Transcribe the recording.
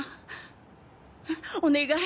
お願い。